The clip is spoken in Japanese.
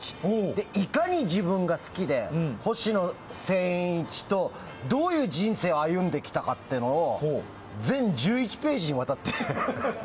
いかに自分が好きで星野仙一とどういう人生を歩んできたかを全１１ページにわたって。